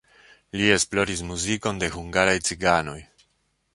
Li esploris muzikon de hungaraj ciganoj.